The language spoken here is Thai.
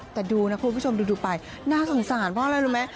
แต่ดูนะคุณผู้ชมดูไปน่าสงสารเพราะอะไรรู้ไหม